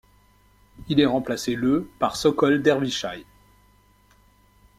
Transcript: Il est remplacé le par Sokol Dervishaj.